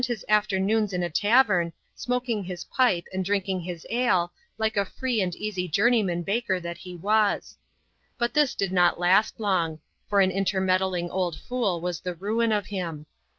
bis afternoons in a tavern, smoking his pipe and drinking his ale, like a free and easj joumejonan baker that he was. But this did not last long ; for an intermeddling old fool was the ruin of him.